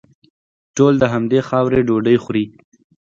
ټول د همدې خاورې ډوډۍ خوري.